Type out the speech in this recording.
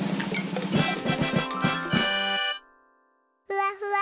ふわふわ。